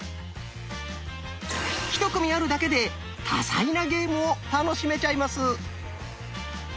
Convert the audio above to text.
１組あるだけで多彩なゲームを楽しめちゃいます。